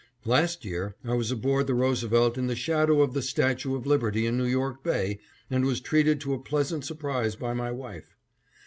Last year, I was aboard the Roosevelt in the shadow of the "Statue of Liberty" in New York Bay, and was treated to a pleasant surprise by my wife.